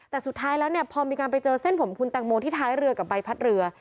แต่สุดท้ายแล้วเนี่ยพอมีการไปเจอเส้นผมคุณแตงโมที่ท้ายเรือกับใบพัดเรือ